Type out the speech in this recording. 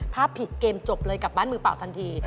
ถ้าผิดเกมจบเลยกลับบ้านมือเปล่าทันที